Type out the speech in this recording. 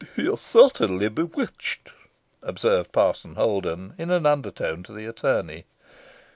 "He is certainly bewitched," observed Parson Holden in an under tone to the attorney.